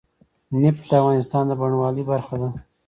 نفت د افغانستان د بڼوالۍ برخه ده.